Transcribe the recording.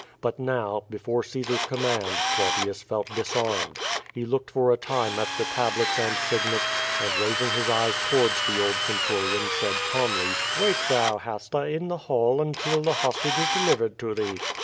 But now, before Caesar's command, Plautius felt disarmed. He looked for a time at the tablets and sig net, and raising his eyes towards the old centurion, said calmly: "Wait thou, Hasta, in the hall until the hostage is delivered to thee."